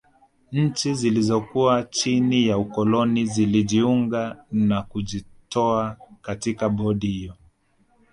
Nchi zilizokuwa chini ya ukoloni zilijiunga na kujitoa katika bodi hiyo